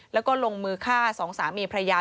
แล้วก็ลงมือฆ่าสองสามีพระยา